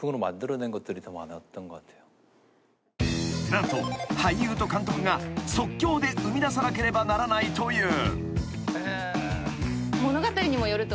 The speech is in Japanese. ［何と俳優と監督が即興で生みださなければならないという］